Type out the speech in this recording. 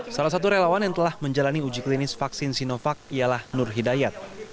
salah satu relawan yang telah menjalani uji klinis vaksin sinovac ialah nur hidayat